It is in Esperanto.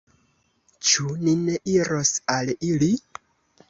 Ĉu ni ne iros al ili?